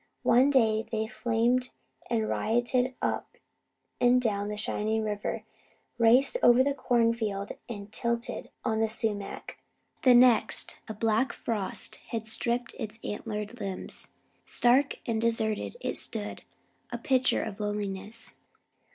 One day they flamed and rioted up and down the shining river, raced over the corn field, and tilted on the sumac. The next, a black frost had stripped its antlered limbs. Stark and deserted it stood, a picture of loneliness.